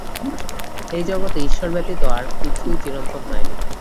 এই জগতে ঈশ্বর ব্যতীত আর কিছুই চিরন্তন নয়।